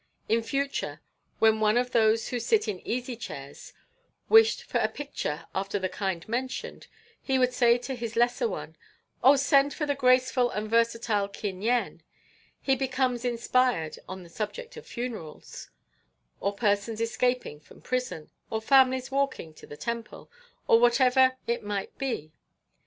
In future, when one of those who sit in easy chairs wished for a picture after the kind mentioned, he would say to his lesser one: "Oh, send to the graceful and versatile Kin Yen; he becomes inspired on the subject of funerals," or persons escaping from prison, or families walking to the temple, or whatever it might be.